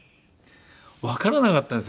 わからなかったんですよね。